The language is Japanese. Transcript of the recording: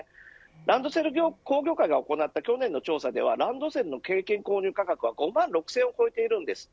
ランドセル工業会が行った去年の調査ではランドセルの平均購入価格は５万６０００円を超えているんです。